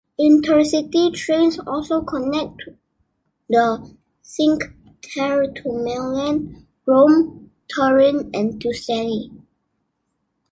Intercity trains also connect the Cinque Terre to Milan, Rome, Turin and Tuscany.